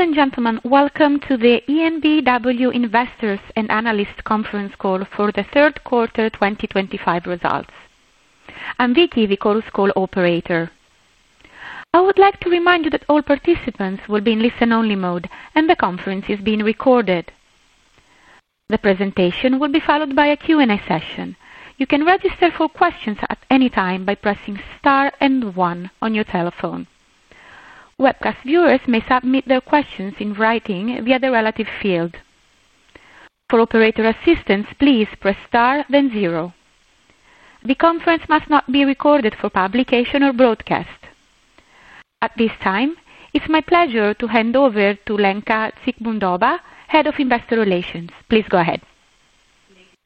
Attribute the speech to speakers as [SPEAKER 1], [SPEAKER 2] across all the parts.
[SPEAKER 1] Ladies and gentlemen, welcome to the EnBW Investors and Analysts Conference Call for the third quarter 2025 results. I'm Vicky, the call's call operator. I would like to remind you that all participants will be in listen-only mode, and the conference is being recorded. The presentation will be followed by a Q&A session. You can register for questions at any time by pressing star and one on your telephone. Webcast viewers may submit their questions in writing via the relative field. For operator assistance, please press star, then zero. The conference must not be recorded for publication or broadcast. At this time, it's my pleasure to hand over to Lenka Zikmundova, Head of Investor Relations. Please go ahead.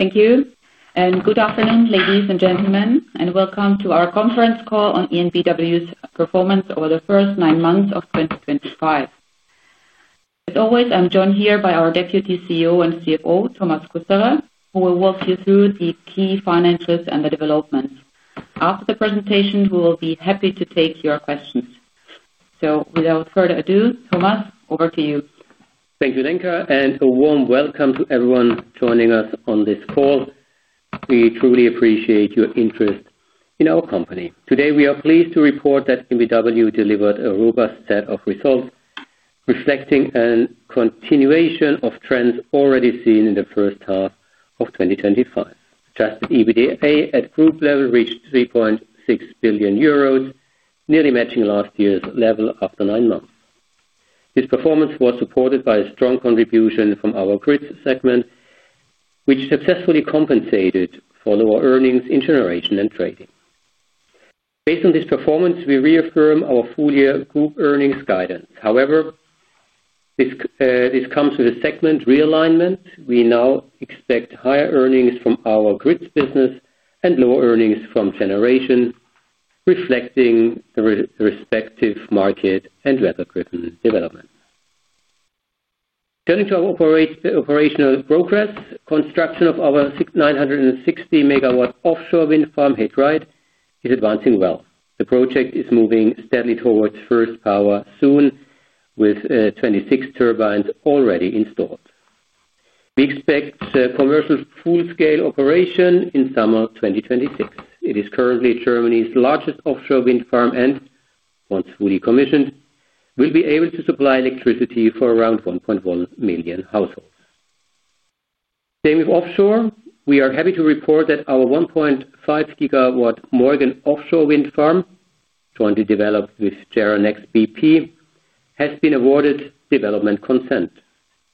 [SPEAKER 2] Thank you, and good afternoon, ladies and gentlemen, and welcome to our conference call on EnBW's performance over the first nine months of 2025. As always, I'm joined here by our Deputy CEO and CFO, Thomas Kusterer, who will walk you through the key finances and the developments. After the presentation, we will be happy to take your questions. Without further ado, Thomas, over to you.
[SPEAKER 3] Thank you, Lenka, and a warm welcome to everyone joining us on this call. We truly appreciate your interest in our company. Today, we are pleased to report that EnBW delivered a robust set of results, reflecting a continuation of trends already seen in the first half of 2025. Adjusted EBITDA at group level reached 3.6 billion euros, nearly matching last year's level after nine months. This performance was supported by a strong contribution from our grid segment, which successfully compensated for lower earnings in generation and trading. Based on this performance, we reaffirm our full-year group earnings guidance. However, this comes with a segment realignment. We now expect higher earnings from our grid business and lower earnings from generation, reflecting the respective market and weather-driven development. Turning to our operational progress, construction of our 960 MW offshore wind farm He Dreiht is advancing well. The project is moving steadily towards first power soon, with 26 turbines already installed. We expect commercial full-scale operation in summer 2026. It is currently Germany's largest offshore wind farm, and once fully commissioned, will be able to supply electricity for around 1.1 million households. Same with offshore. We are happy to report that our 1.5 GW Morgan offshore wind farm, jointly developed with JERA Nex bp, has been awarded development consent.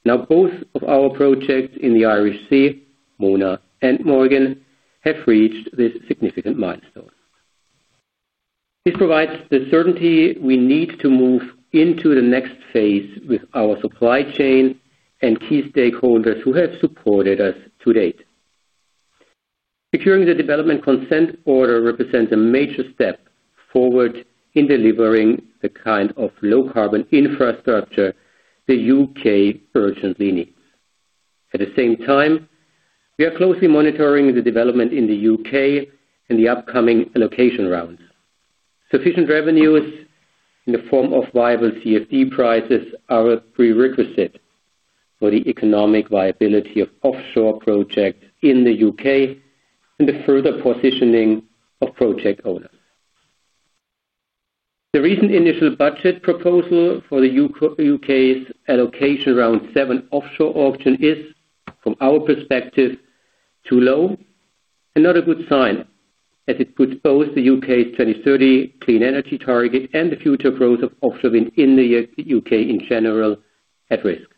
[SPEAKER 3] Now, both of our projects in the Irish Sea, Mona and Morgan, have reached this significant milestone. This provides the certainty we need to move into the next phase with our supply chain and key stakeholders who have supported us to date. Securing the development consent order represents a major step forward in delivering the kind of low-carbon infrastructure the U.K. urgently needs. At the same time, we are closely monitoring the development in the U.K. and the upcoming allocation rounds. Sufficient revenues in the form of viable CFD prices are a prerequisite for the economic viability of offshore projects in the U.K. and the further positioning of project owners. The recent initial budget proposal for the U.K.'s allocation round seven offshore auction is, from our perspective, too low and not a good sign, as it puts both the U.K.'s 2030 clean energy target and the future growth of offshore wind in the U.K. in general at risk.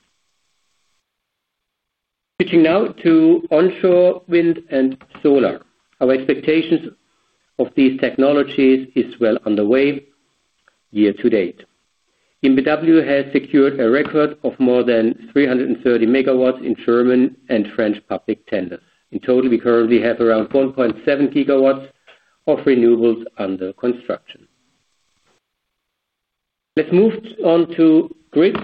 [SPEAKER 3] Switching now to onshore wind and solar, our expectations of these technologies are well underway year to date. EnBW has secured a record of more than 330 MW in German and French public tenders. In total, we currently have around 1.7 GW of renewables under construction. Let's move on to grids.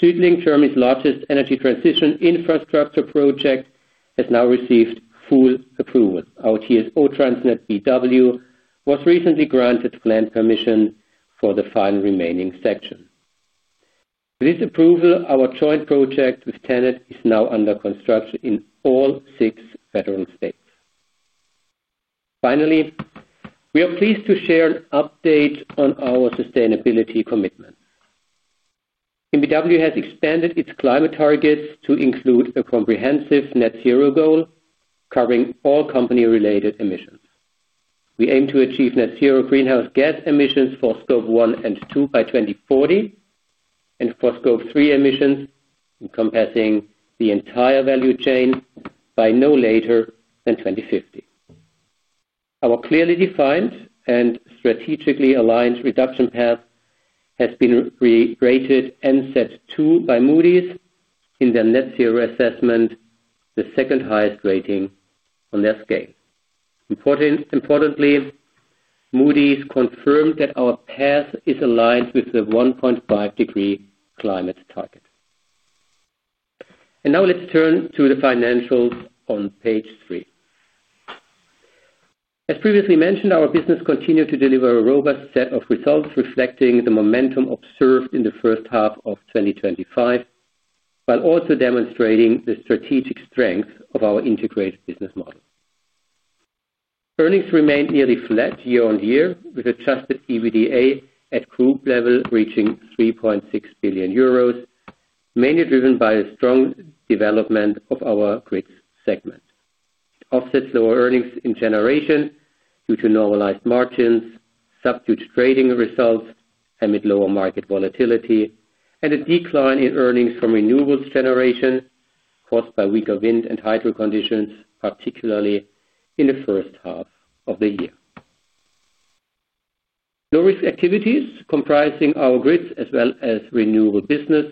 [SPEAKER 3] SuedLink, Germany's largest energy transition infrastructure project, has now received full approval. Our TSO TransnetBW was recently granted planning permission for the final remaining section. With this approval, our joint project with TenneT is now under construction in all six federal states. Finally, we are pleased to share an update on our sustainability commitments. EnBW has expanded its climate targets to include a comprehensive net zero goal covering all company-related emissions. We aim to achieve net zero greenhouse gas emissions for scope one and two by 2040, and for scope three emissions encompassing the entire value chain by no later than 2050. Our clearly defined and strategically aligned reduction path has been rated as set two by Moody's in their net zero assessment, the second highest rating on their scale. Importantly, Moody's confirmed that our path is aligned with the 1.5-degree climate target. Let's turn to the financials on page three. As previously mentioned, our business continued to deliver a robust set of results reflecting the momentum observed in the first half of 2025, while also demonstrating the strategic strength of our integrated business model. Earnings remain nearly flat year on year, with adjusted EBITDA at group level reaching 3.6 billion euros, mainly driven by the strong development of our grid segment. It offsets lower earnings in generation due to normalized margins, subdued trading results, amid lower market volatility, and a decline in earnings from renewables generation caused by weaker wind and hydro conditions, particularly in the first half of the year. Low-risk activities comprising our grids as well as renewable business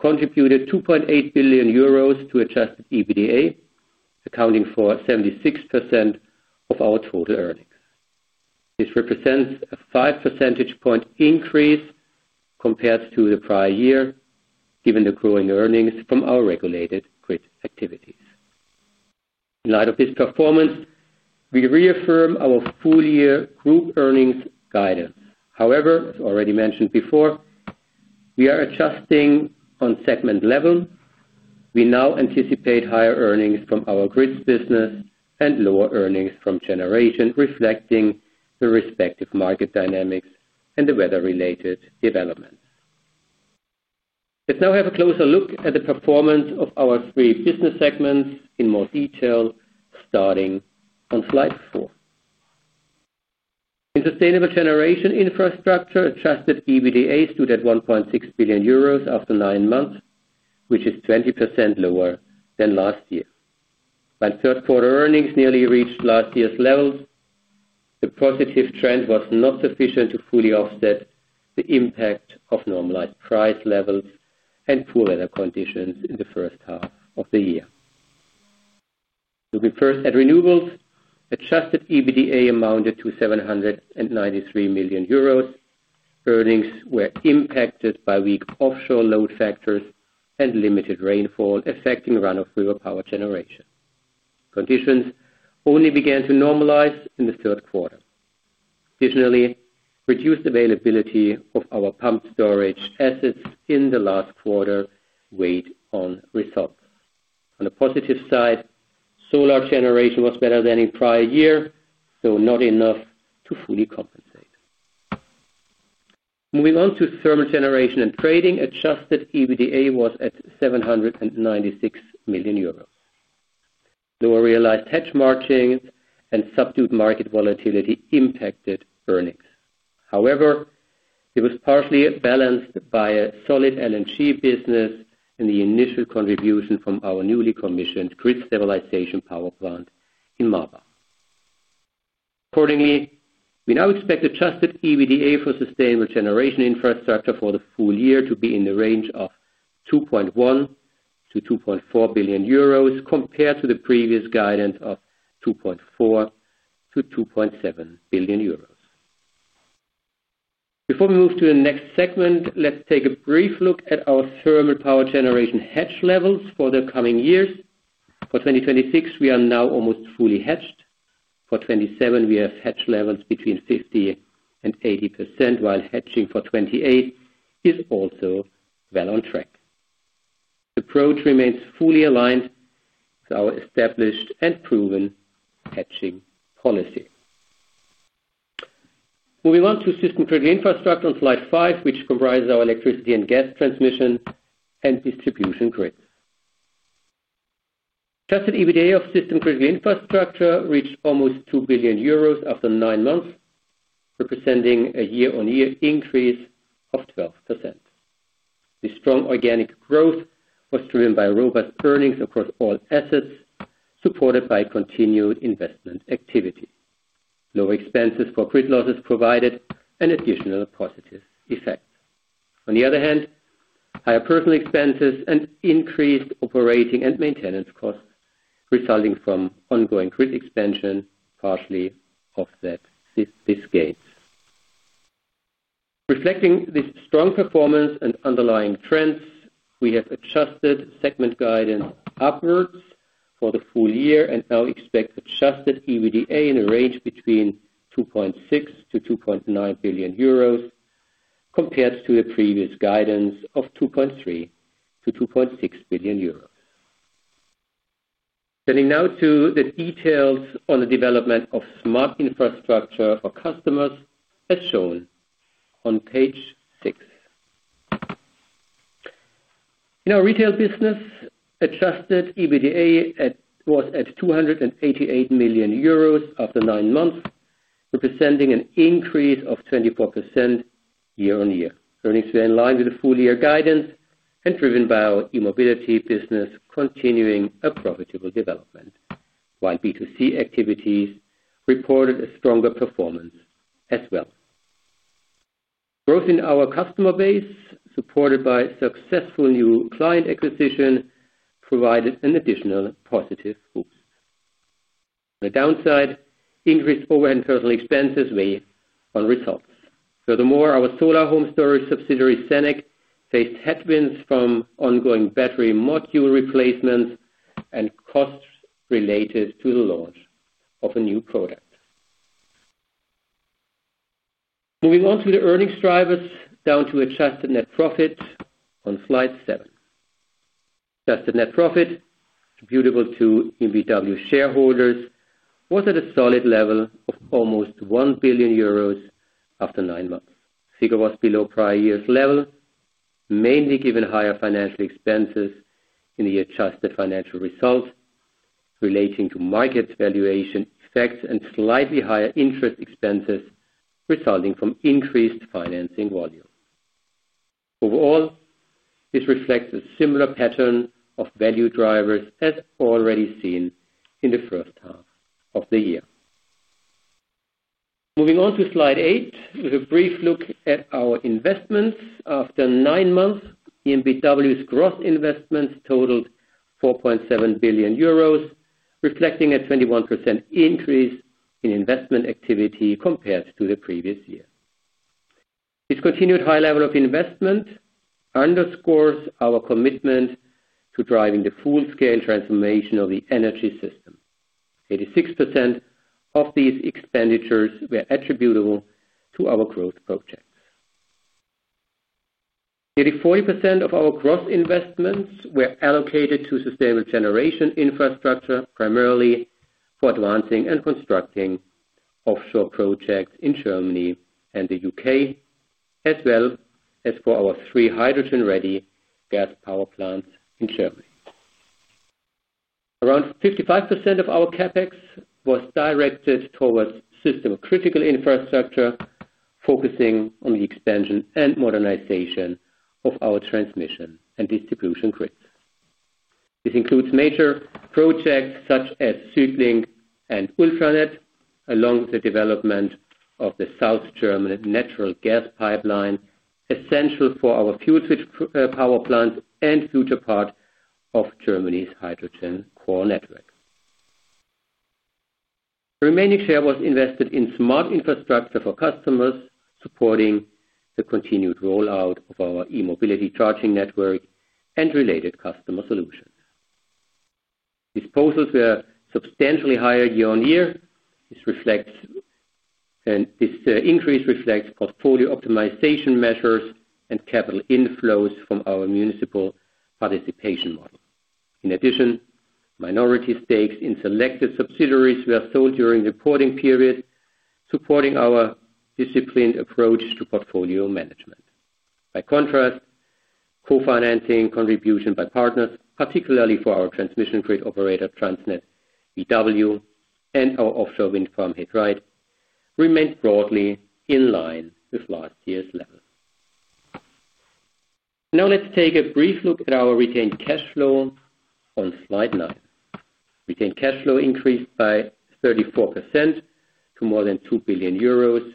[SPEAKER 3] contributed 2.8 billion euros to adjusted EBITDA, accounting for 76% of our total earnings. This represents a 5 percentage point increase compared to the prior year, given the growing earnings from our regulated grid activities. In light of this performance, we reaffirm our full-year group earnings guidance. However, as already mentioned before, we are adjusting on segment level. We now anticipate higher earnings from our grid business and lower earnings from generation, reflecting the respective market dynamics and the weather-related developments. Let's now have a closer look at the performance of our three business segments in more detail, starting on slide four. In sustainable generation infrastructure, adjusted EBITDA stood at 1.6 billion euros after nine months, which is 20% lower than last year. While third-quarter earnings nearly reached last year's levels, the positive trend was not sufficient to fully offset the impact of normalized price levels and poor weather conditions in the first half of the year. Looking first at renewables, adjusted EBITDA amounted to 793 million euros. Earnings were impacted by weak offshore load factors and limited rainfall affecting run-of-river power generation. Conditions only began to normalize in the third quarter. Additionally, reduced availability of our pumped storage assets in the last quarter weighed on results. On the positive side, solar generation was better than in prior year, though not enough to fully compensate. Moving on to Thermal Generation and Trading, adjusted EBITDA was at 796 million euros. Lower realized hedge margins and subdued market volatility impacted earnings. However, it was partially balanced by a solid LNG business and the initial contribution from our newly commissioned grid stabilization power plant in Marbach. Accordingly, we now expect adjusted EBITDA for sustainable generation infrastructure for the full year to be in the range of 2.1 billion-2.4 billion euros, compared to the previous guidance of 2.4 billion-2.7 billion euros. Before we move to the next segment, let's take a brief look at our thermal power generation hedge levels for the coming years. For 2026, we are now almost fully hedged. For 2027, we have hedge levels between 50% and 80%, while hedging for 2028 is also well on track. The approach remains fully aligned with our established and proven hedging policy. Moving on to system critical infrastructure on slide five, which comprises our electricity and gas Transmission and distribution grids. Adjusted EBITDA of system critical infrastructure reached almost 2 billion euros after nine months, representing a year-on-year increase of 12%. This strong organic growth was driven by robust earnings across all assets, supported by continued investment activity. Lower expenses for grid losses provided an additional positive effect. On the other hand, higher personnel expenses and increased operating and maintenance costs resulting from ongoing grid expansion partially offset these gains. Reflecting this strong performance and underlying trends, we have adjusted segment guidance upwards for the full year and now expect adjusted EBITDA in a range between 2.6 billion-2.9 billion euros, compared to the previous guidance of 2.3 billion-2.6 billion euros. Turning now to the details on the development of smart infrastructure for customers, as shown on page six. In our retail business, adjusted EBITDA was at 288 million euros after nine months, representing an increase of 24% year on year. Earnings were in line with the full-year guidance and driven by our e-mobility business continuing a profitable development, while B2C activities reported a stronger performance as well. Growth in our customer base, supported by successful new client acquisition, provided an additional positive boost. On the downside, increased overhead and personnel expenses weighed on results. Furthermore, our solar home storage subsidiary, Senec, faced headwinds from ongoing battery module replacements and costs related to the launch of a new product. Moving on to the earnings drivers, down to adjusted net profit on slide seven. Adjusted net profit, attributable to EnBW shareholders, was at a solid level of almost 1 billion euros after nine months. Figure was below prior year's level, mainly given higher financial expenses in the adjusted financial results relating to market valuation effects and slightly higher interest expenses resulting from increased financing volume. Overall, this reflects a similar pattern of value drivers as already seen in the first half of the year. Moving on to slide eight, with a brief look at our investments. After nine months, EnBW's gross investments totaled 4.7 billion euros, reflecting a 21% increase in investment activity compared to the previous year. This continued high level of investment underscores our commitment to driving the full-scale transformation of the energy system. 86% of these expenditures were attributable to our growth projects. Nearly 40% of our gross investments were allocated to sustainable generation infrastructure, primarily for advancing and constructing offshore projects in Germany and the U.K., as well as for our three hydrogen-ready gas power plants in Germany. Around 55% of our CapEx was directed towards system-critical infrastructure, focusing on the expansion and modernization of our Transmission and distribution grids. This includes major projects such as SuedLink and Ultranet, along with the development of the South German natural gas pipeline, essential for our fuel switch power plants and future part of Germany's hydrogen core network. The remaining share was invested in smart infrastructure for customers, supporting the continued rollout of our e-mobility charging network and related customer solutions. Disposals were substantially higher year on year. This increase reflects portfolio optimization measures and capital inflows from our municipal participation model. In addition, minority stakes in selected subsidiaries were sold during the reporting period, supporting our disciplined approach to portfolio management. By contrast, co-financing contributions by partners, particularly for our transmission grid operator, TransnetBW, and our offshore wind farm, He Dreiht, remained broadly in line with last year's level. Now let's take a brief look at our retained cash flow on slide nine. Retained cash flow increased by 34% to more than 2 billion euros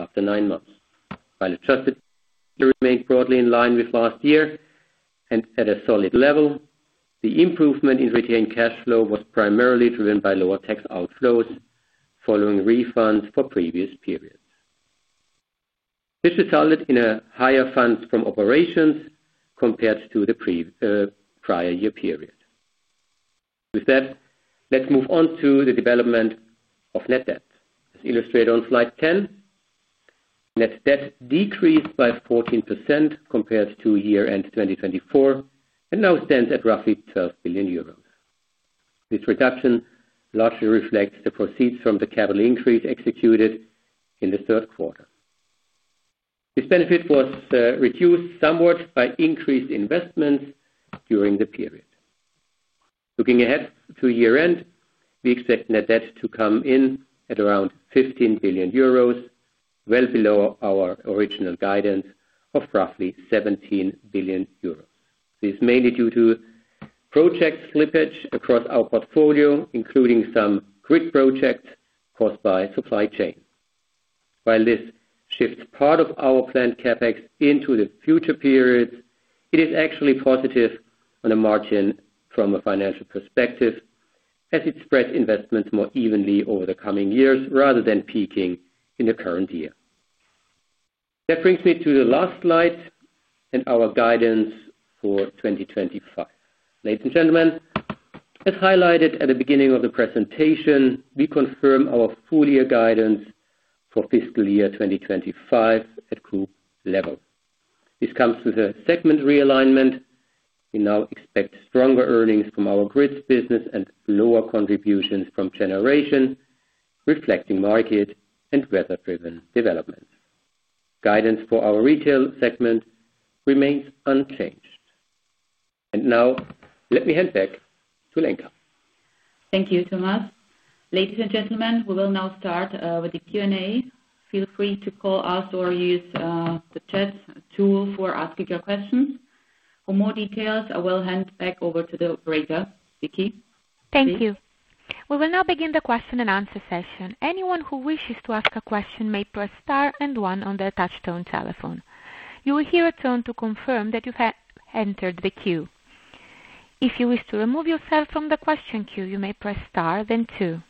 [SPEAKER 3] after nine months. While adjusted EBITDA remained broadly in line with last year and at a solid level, the improvement in retained cash flow was primarily driven by lower tax outflows following refunds for previous periods. This resulted in higher funds from operations compared to the prior year period. With that, let's move on to the development of net debt. As illustrated on slide ten, net debt decreased by 14% compared to year-end 2024 and now stands at roughly 12 billion euros. This reduction largely reflects the proceeds from the capital increase executed in the third quarter. This benefit was reduced somewhat by increased investments during the period. Looking ahead to year-end, we expect net debt to come in at around 15 billion euros, well below our original guidance of roughly 17 billion euros. This is mainly due to project slippage across our portfolio, including some grid projects caused by supply chain. While this shifts part of our planned CapEx into the future periods, it is actually positive on a margin from a financial perspective, as it spreads investments more evenly over the coming years rather than peaking in the current year. That brings me to the last slide and our guidance for 2025. Ladies and gentlemen, as highlighted at the beginning of the presentation, we confirm our full-year guidance for fiscal year 2025 at group level. This comes with a segment realignment. We now expect stronger earnings from our grid business and lower contributions from generation, reflecting market and weather-driven developments. Guidance for our retail segment remains unchanged. Now, let me hand back to Lenka.
[SPEAKER 2] Thank you, Thomas. Ladies and gentlemen, we will now start with the Q&A. Feel free to call us or use the chat tool for asking your questions. For more details, I will hand back over to the operator, Vicky.
[SPEAKER 1] Thank you. We will now begin the question and answer session. Anyone who wishes to ask a question may press star and one on the touch-tone telephone. You will hear a tone to confirm that you have entered the queue. If you wish to remove yourself from the question queue, you may press star, then two.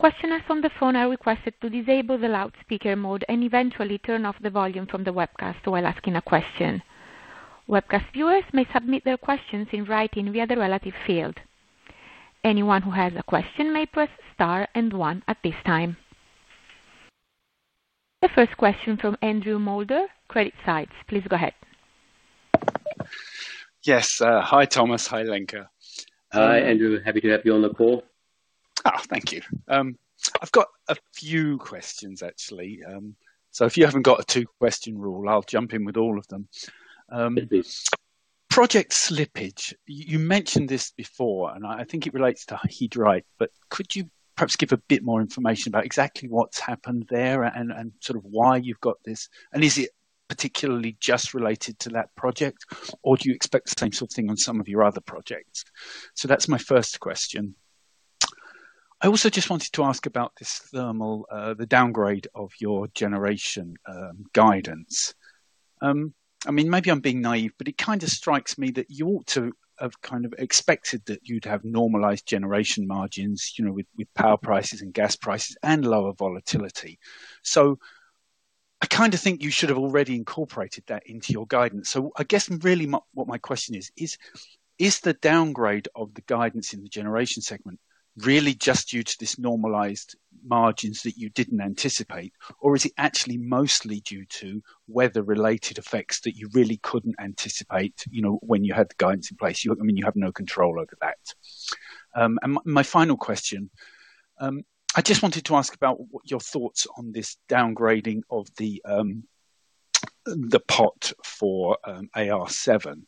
[SPEAKER 1] Questioners on the phone are requested to disable the loudspeaker mode and eventually turn off the volume from the webcast while asking a question. Webcast viewers may submit their questions in writing via the relative field. Anyone who has a question may press star and one at this time. The first question from Andrew Moulder, CreditSights. Please go ahead.
[SPEAKER 4] Yes. Hi, Thomas. Hi, Lenka.
[SPEAKER 3] Hi, Andrew. Happy to have you on the call.
[SPEAKER 4] Oh, thank you. I've got a few questions, actually. If you haven't got a two-question rule, I'll jump in with all of them. Project slippage. You mentioned this before, and I think it relates to He Dreiht. Could you perhaps give a bit more information about exactly what's happened there and sort of why you've got this? Is it particularly just related to that project, or do you expect the same sort of thing on some of your other projects? That's my first question. I also just wanted to ask about this thermal, the downgrade of your generation guidance. I mean, maybe I'm being naive, but it kind of strikes me that you ought to have kind of expected that you'd have normalized generation margins with power prices and gas prices and lower volatility. I kind of think you should have already incorporated that into your guidance. I guess really what my question is, is the downgrade of the guidance in the generation segment really just due to these normalized margins that you did not anticipate, or is it actually mostly due to weather-related effects that you really could not anticipate when you had the guidance in place? I mean, you have no control over that. My final question, I just wanted to ask about your thoughts on this downgrading of the pot for AR7.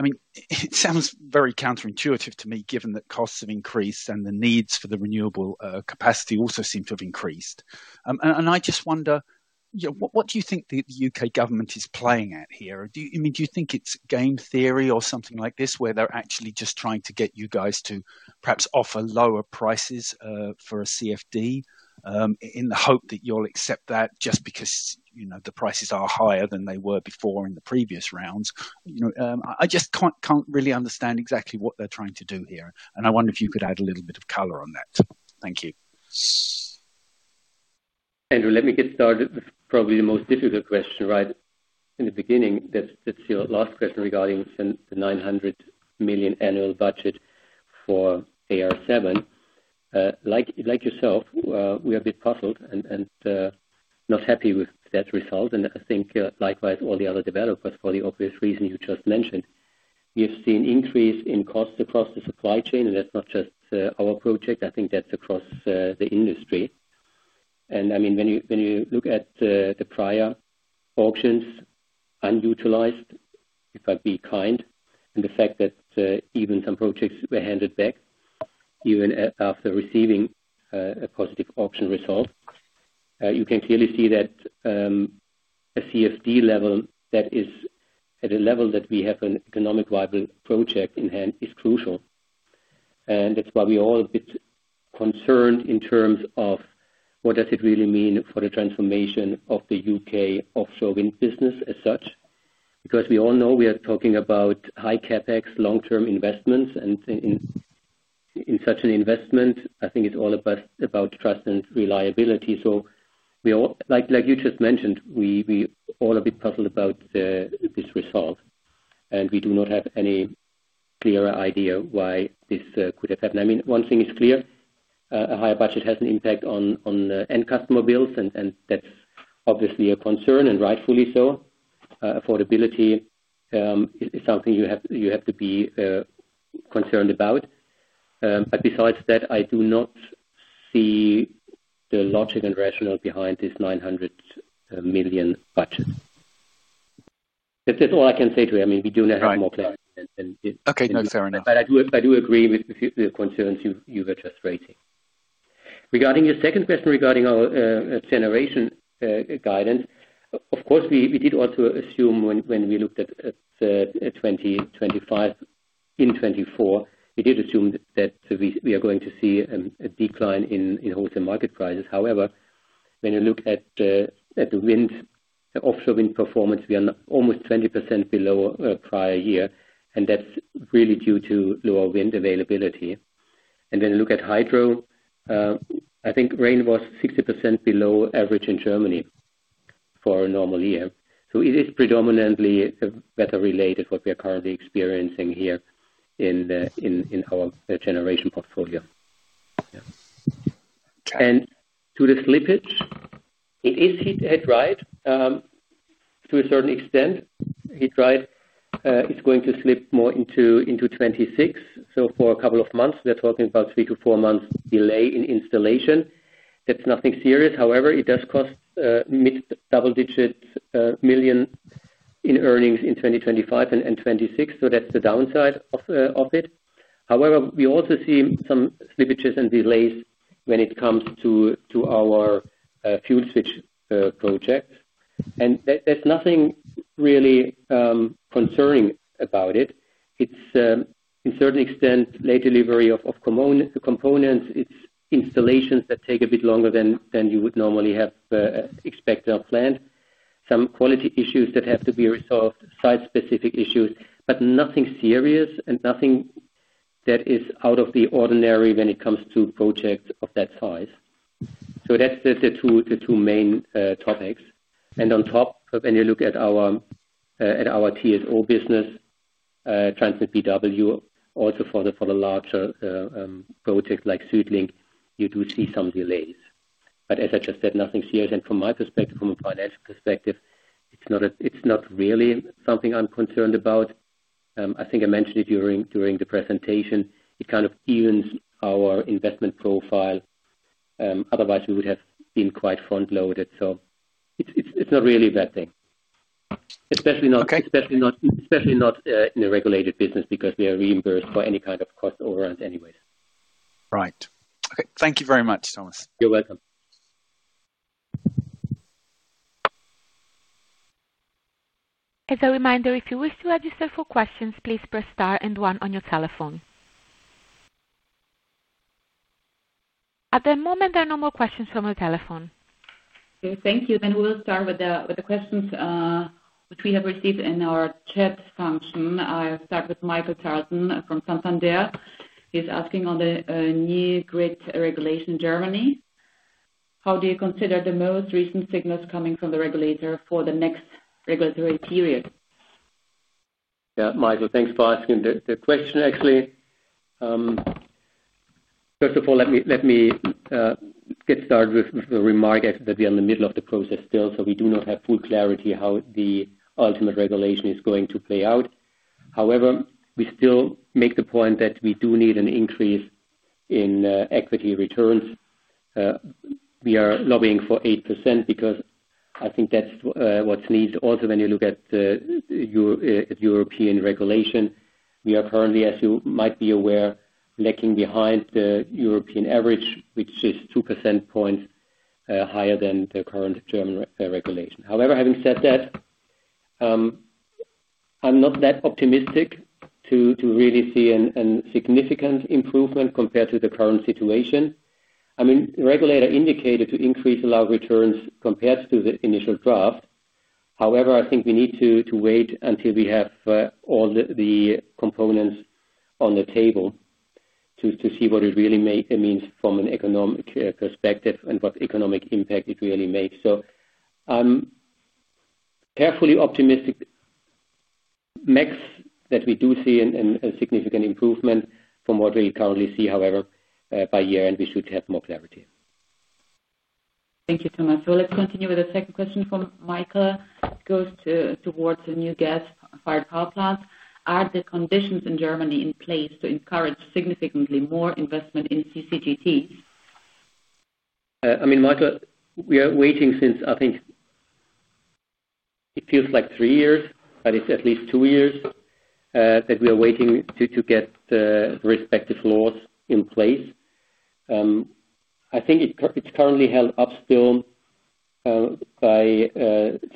[SPEAKER 4] I mean, it sounds very counterintuitive to me, given that costs have increased and the needs for the renewable capacity also seem to have increased. I just wonder, what do you think the U.K. government is playing at here? I mean, do you think it's game theory or something like this where they're actually just trying to get you guys to perhaps offer lower prices for a CFD in the hope that you'll accept that just because the prices are higher than they were before in the previous rounds? I just can't really understand exactly what they're trying to do here. I wonder if you could add a little bit of color on that. Thank you.
[SPEAKER 3] Andrew, let me get started with probably the most difficult question, right? In the beginning, that's your last question regarding the 900 million annual budget for AR7. Like yourself, we are a bit puzzled and not happy with that result. I think likewise all the other developers for the obvious reason you just mentioned. We have seen an increase in costs across the supply chain, and that's not just our project. I think that's across the industry. I mean, when you look at the prior auctions unutilized, if I be kind, and the fact that even some projects were handed back even after receiving a positive auction result, you can clearly see that a CFD level that is at a level that we have an economic viable project in hand is crucial. That's why we are all a bit concerned in terms of what does it really mean for the transformation of the U.K. offshore wind business as such, because we all know we are talking about high CapEx, long-term investments. In such an investment, I think it's all about trust and reliability. Like you just mentioned, we are all a bit puzzled about this result. We do not have any clearer idea why this could have happened. I mean, one thing is clear. A higher budget has an impact on end customer bills, and that's obviously a concern, and rightfully so. Affordability is something you have to be concerned about. Besides that, I do not see the logic and rationale behind this 900 million budget. That's all I can say to you. I mean, we do not have more clarity than this. Okay. No, fair enough. I do agree with the concerns you were just raising. Regarding your second question regarding our generation guidance, of course, we did also assume when we looked at 2025 in 2024, we did assume that we are going to see a decline in wholesale market prices. However, when you look at the wind, the offshore wind performance, we are almost 20% below prior year, and that's really due to lower wind availability. When you look at hydro, I think rain was 60% below average in Germany for a normal year. It is predominantly weather-related, what we are currently experiencing here in our generation portfolio. To the slippage, it is He Dreiht. To a certain extent, He Dreiht is going to slip more into 2026. For a couple of months, we are talking about three to four months' delay in installation. That is nothing serious. However, it does cost mid-double-digit million in earnings in 2025 and 2026. That is the downside of it. However, we also see some slippages and delays when it comes to our fuel switch project. There is nothing really concerning about it. It is, to a certain extent, late delivery of components. It is installations that take a bit longer than you would normally have expected or planned. Some quality issues that have to be resolved, site-specific issues, but nothing serious and nothing that is out of the ordinary when it comes to projects of that size. That is the two main topics. On top, when you look at our TSO business, TransnetBW, also for the larger projects like SuedLink, you do see some delays. As I just said, nothing serious. From my perspective, from a financial perspective, it is not really something I am concerned about. I think I mentioned it during the presentation. It kind of evens our investment profile. Otherwise, we would have been quite front-loaded. It is not really a bad thing, especially not in a regulated business because we are reimbursed for any kind of cost overruns anyways. Right. Okay. Thank you very much, Thomas. You are welcome.
[SPEAKER 1] As a reminder, if you wish to register for questions, please press star and one on your telephone. At the moment, there are no more questions from your telephone.
[SPEAKER 2] Thank you. We will start with the questions which we have received in our chat function. I'll start with Michael Charlton from Santander. He's asking on the new grid regulation in Germany. How do you consider the most recent signals coming from the regulator for the next regulatory period?
[SPEAKER 3] Yeah, Michael, thanks for asking the question. Actually, first of all, let me get started with the remark that we are in the middle of the process still, so we do not have full clarity how the ultimate regulation is going to play out. However, we still make the point that we do need an increase in equity returns. We are lobbying for 8% because I think that's what's needed. Also, when you look at European regulation, we are currently, as you might be aware, lagging behind the European average, which is 2 percentage points higher than the current German regulation. However, having said that, I'm not that optimistic to really see a significant improvement compared to the current situation. I mean, the regulator indicated to increase allowed returns compared to the initial draft. However, I think we need to wait until we have all the components on the table to see what it really means from an economic perspective and what economic impact it really makes. I am carefully optimistic that we do see a significant improvement from what we currently see, however, by year-end we should have more clarity.
[SPEAKER 2] Thank you, Thomas. Let's continue with the second question from Michael. It goes towards the new gas-fired power plant. Are the conditions in Germany in place to encourage significantly more investment in CCGT?
[SPEAKER 3] I mean, Michael, we are waiting since, I think, it feels like three years, but it is at least two years that we are waiting to get the respective laws in place. I think it is currently held up still by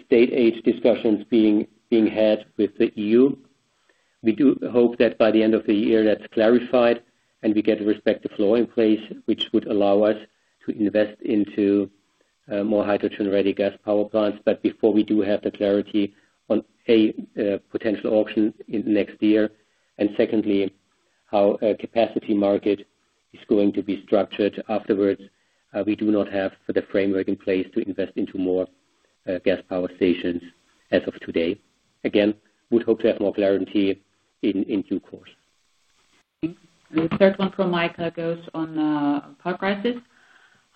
[SPEAKER 3] state-aid discussions being had with the EU. We do hope that by the end of the year, that is clarified and we get the respective law in place, which would allow us to invest into more hydrogen-ready gas power plants. Before we do have the clarity on a potential auction next year, and secondly, how a capacity market is going to be structured afterwards, we do not have the framework in place to invest into more gas power stations as of today. Again, would hope to have more clarity in due course. The third one from Michael goes on power prices.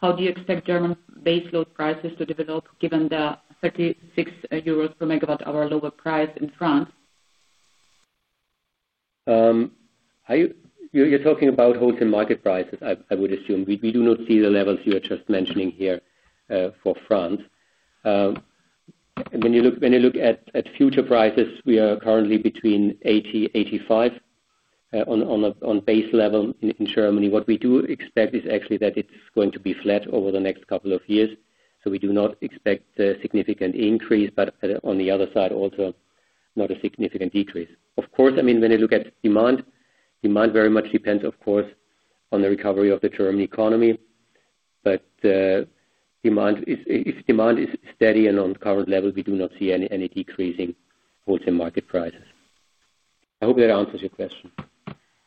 [SPEAKER 3] How do you expect German base load prices to develop given the 36 euros per megawatt-hour lower price in France? You're talking about wholesale market prices, I would assume. We do not see the levels you are just mentioning here for France. When you look at future prices, we are currently between 80-85 on base level in Germany. What we do expect is actually that it's going to be flat over the next couple of years. We do not expect a significant increase, but on the other side, also not a significant decrease. Of course, I mean, when you look at demand, demand very much depends, of course, on the recovery of the German economy. If demand is steady and on current level, we do not see any decreasing wholesale market prices. I hope that answers your question.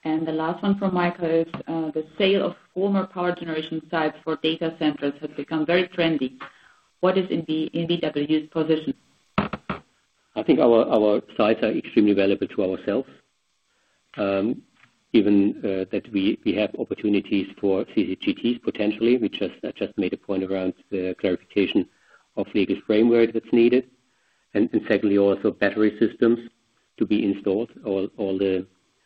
[SPEAKER 2] The last one from Michael is the sale of former power generation sites for data centers has become very trendy. What is EnBW's position?
[SPEAKER 3] I think our sites are extremely valuable to ourselves, given that we have opportunities for CCGTs potentially. We just made a point around the clarification of legal framework that is needed. Secondly, also battery systems to be installed. All the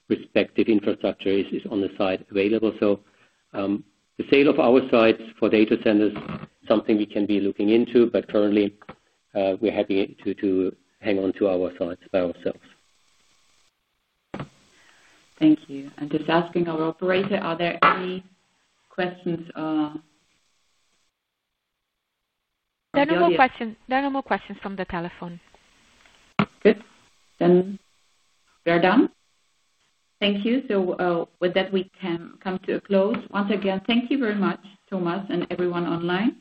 [SPEAKER 3] respective infrastructure is on the site available. The sale of our sites for data centers is something we can be looking into, but currently, we are happy to hang on to our sites by ourselves.
[SPEAKER 2] Thank you. Just asking our operator, are there any questions?
[SPEAKER 1] There are no more questions from the telephone. Good. We are done. Thank you. With that, we can come to a close. Once again, thank you very much, Thomas, and everyone online.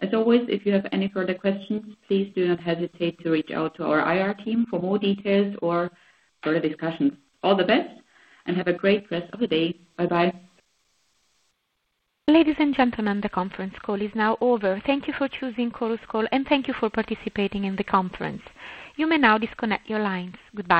[SPEAKER 2] As always, if you have any further questions, please do not hesitate to reach out to our IR team for more details or further discussions. All the best and have a great rest of the day. Bye-bye. Ladies and gentlemen, the conference call is now over. Thank you for choosing Chorus Call, and thank you for participating in the conference. You may now disconnect your lines. Goodbye.